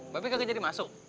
bapak bikin gak jadi masuk